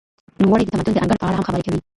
نوموړی د تمدن د انګړ په اړه هم خبري کوي.